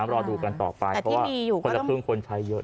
รอดูกันต่อไปเพราะว่าคนละครึ่งคนใช้เยอะ